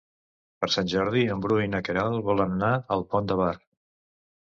Per Sant Jordi en Bru i na Queralt volen anar al Pont de Bar.